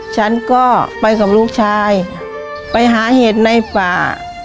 ฉันก็ไปกับลูกชายไปหาเห็ดในป่า